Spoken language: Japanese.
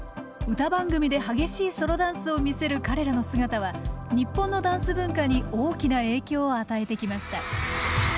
歌番組で激しいソロダンスを見せる彼らの姿は日本のダンス文化に大きな影響を与えてきました。